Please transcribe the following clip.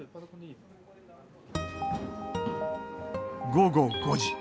午後５時。